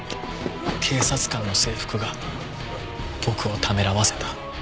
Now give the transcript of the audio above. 警察官の制服が僕をためらわせた。